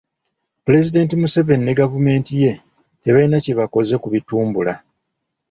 Pulezidenti Museveni ne gavumenti ye tebalina kye bakoze ku bitumbula.